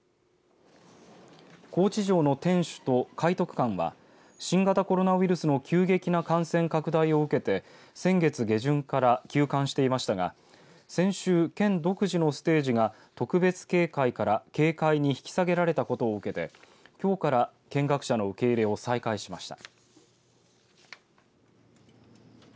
高知城の天守と懐徳館は新型コロナウイルスの急激な感染拡大を受けて先月下旬から休館していましたが先週、県独自のステージが特別警戒から、警戒に引き下げられたことを受けてきょうから見学者の受け入れを再開しました。